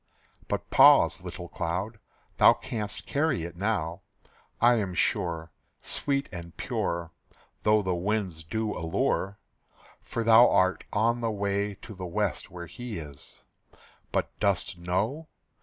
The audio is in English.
But pause, little cloud, thou canst carry it now, I am sure, Sweet and pure, Though the winds do allure; For thou art on the way to the west where he is. But dost know?